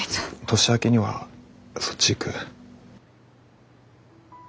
年明けにはそっち行く。